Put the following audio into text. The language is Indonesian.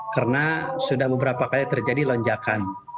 karena sudah beberapa kali terjadi lonjakan